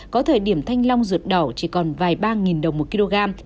có thời điểm thanh long ruột đỏ chỉ còn vài ba đồng một kg